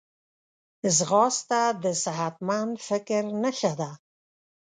ځغاسته د صحتمند فکر نښه ده